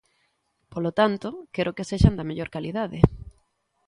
Polo tanto, quero que sexan da mellor calidade.